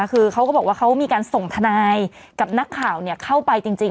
คือเขาก็บอกว่าเขามีการส่งทนายกับนักข่าวเข้าไปจริง